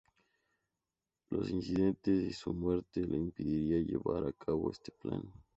Los incidentes y su muerte le impedirían llevar a cabo este plan.